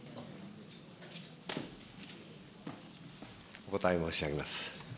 お答え申し上げます。